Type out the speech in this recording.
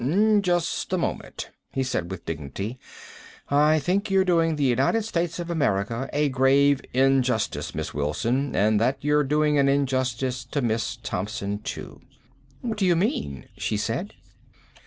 "Just a moment," he said with dignity, "I think you're doing the United States of America a grave injustice, Miss Wilson and that you're doing an injustice to Miss Thompson, too." "What do you mean?" she said.